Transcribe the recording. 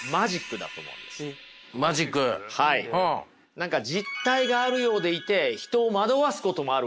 何か実体があるようでいて人を惑わすこともあるわけ。